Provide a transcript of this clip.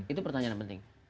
itu pertanyaan yang penting